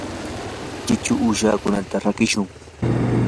chichu uushakunata rakishun.